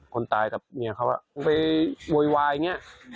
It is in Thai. คนตายกับเมียเขาไปโวยวายอย่างนี้